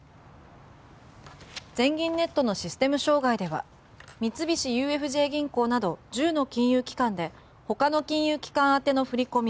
全銀ネットのシステム障害では三菱ＵＦＪ銀行など１０の金融機関で他の金融機関宛ての振り込み